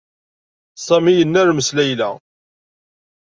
Sami yennermes Layla.